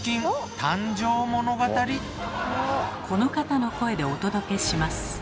この方の声でお届けします。